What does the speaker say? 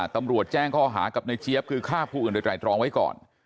ตำรวจแจ้งข้อหากับในเจี๊ยบคือฆ่าผู้อื่นโดยไตรตรองไว้ก่อน